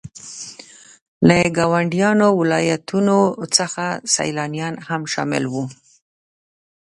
له ګاونډيو ولاياتو څخه سيلانيان هم شامل وو.